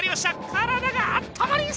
体があったまりそう！